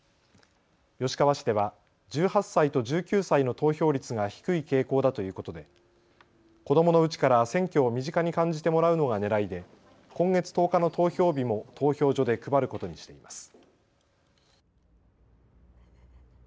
吉川市では１８歳と１９歳の投票率が低い傾向だということで子どものうちから選挙を身近に感じてもらうのがねらいで今月１０日の投票日も投票所で配ることにしています。